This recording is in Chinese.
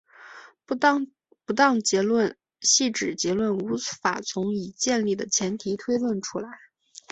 不当结论系指结论无法从已建立的前提推论出来。